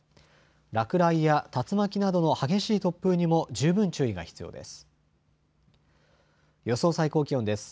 落雷や竜巻などの激しい突風にも十分注意が必要です。